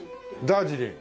ダージリン。